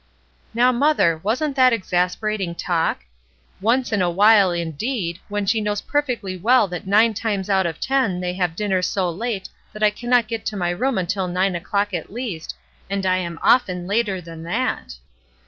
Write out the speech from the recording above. Now, mother, wasn't that exas perating talk ?' Once in a while,' indeed ! when she knows perfectly well that nine times out of ten they have dinner so late that I cannot get to my room until nine o'clock at least, and I am often later than that.